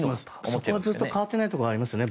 そこはずっと変わっていないところはありますよね。